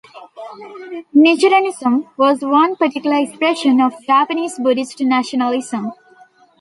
Nichirenism was one particular expression of Japanese Buddhist nationalism.